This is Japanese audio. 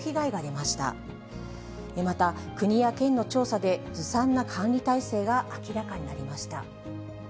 また国や県の調査で、ずさんな管理体制が明らかになりました。